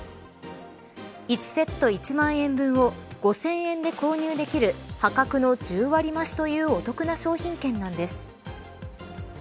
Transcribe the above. １セット１万円分を５０００円で購入できる破格の１０割増しというお得な商品券なんです。